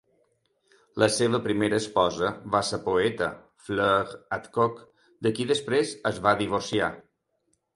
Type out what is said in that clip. La seva primera esposa va ser poeta, Fleur Adcock, de qui després es va divorciar.